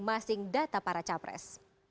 masing data para capres